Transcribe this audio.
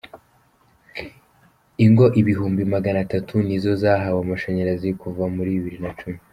Ingo ibihumbi Magana tatu nizo zahawe amashanyarazi kuva muri Bibiri na cumi